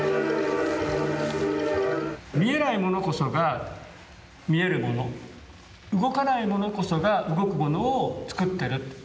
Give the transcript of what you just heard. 見えないものこそが見えるもの動かないものこそが動くものをつくってる。